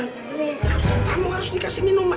nih harus tamu harus dikasih minuman